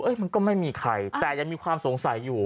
มันก็ไม่มีใครแต่ยังมีความสงสัยอยู่